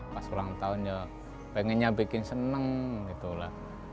pas ulang tahun ya pengennya bikin seneng gitu lah